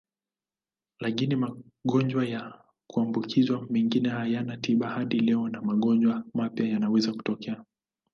Lakini magonjwa ya kuambukizwa mengine hayana tiba hadi leo na magonjwa mapya yanaweza kutokea.